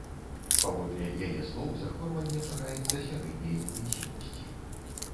Паводле яе слоў, захворванне чакаецца сярэдняй інтэнсіўнасці.